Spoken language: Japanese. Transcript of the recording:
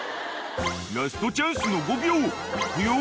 ［ラストチャンスの５秒いくよ］